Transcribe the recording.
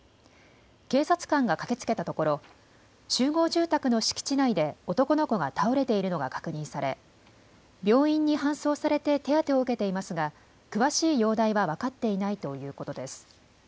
警察官が駆けつけたところ集合住宅の敷地内で男の子が倒れているのが確認され病院に搬送されて手当てを受けていますが詳しい容体は分かっていないということです。